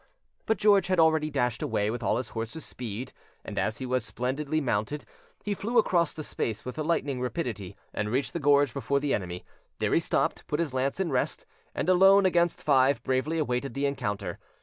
But George had already dashed away with all his horse's speed, and as he was splendidly mounted, he flew across the space with lightning rapidity, and reached the gorge before the enemy. There he stopped, put his lance in rest, and alone against five bravely awaited the encounter.